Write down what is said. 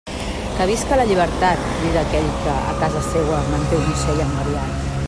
Que visca la llibertat, crida aquell que, a casa seua, manté un ocell engabiat.